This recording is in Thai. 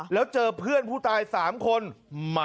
แล้วเจอเพื่อนผู้ตาย๓คน